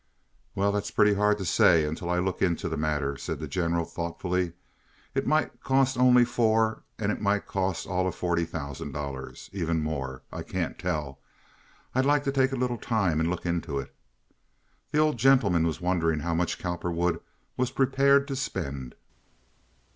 "Well, that's pretty hard to say until I look into the matter," said the General, thoughtfully. "It might cost only four and it might cost all of forty thousand dollars—even more. I can't tell. I'd like to take a little time and look into it." The old gentleman was wondering how much Cowperwood was prepared to spend.